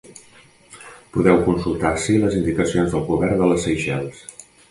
Podeu consultar ací les indicacions del govern de les Seychelles.